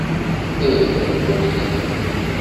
Ih, ad dduɣ yid-m.